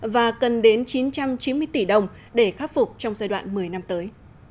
và cần đến chín trăm chín mươi tỷ đồng để khắc phục trong giai đoạn một mươi năm tới